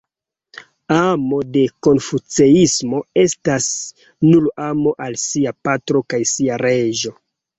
Amo de Konfuceismo estas nur amo al sia patro kaj sia reĝo.